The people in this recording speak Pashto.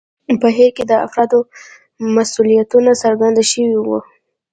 په هیر کې د افرادو مسوولیتونه څرګند شوي وو.